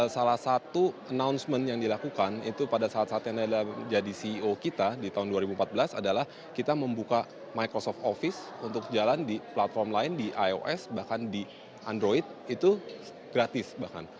salah satu announcement yang dilakukan itu pada saat saatnya anda jadi ceo kita di tahun dua ribu empat belas adalah kita membuka microsoft office untuk jalan di platform lain di ios bahkan di android itu gratis bahkan